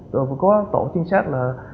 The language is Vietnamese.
rồi có tổ trinh sát